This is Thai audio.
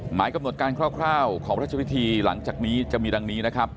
หมายกำหนดการคร่าวของราชพิธีหลังจากนี้จะมีดังนี้นะครับ